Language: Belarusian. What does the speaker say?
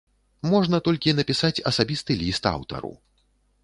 Можна толькі напісаць асабісты ліст аўтару.